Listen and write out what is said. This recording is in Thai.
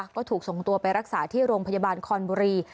ก็ถูกส่งตัวไปรักษาที่โรงพยาบาลคอนบุรี